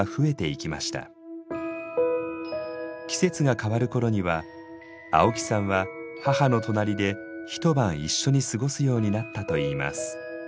季節が変わる頃には青木さんは母の隣で一晩一緒に過ごすようになったといいます。